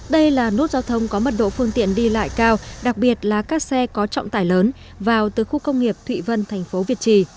đây là nút giao thông có mật độ phương tiện đi lại cao đặc biệt là các xe có trọng tải lớn vào từ khu công nghiệp thụy vân thành phố việt trì